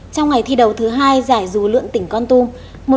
trong ngày thi đầu thứ hai giải dù lượn tỉnh con tum